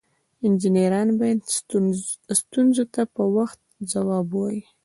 انجینران باید ستونزو ته په وخت ځواب ووایي.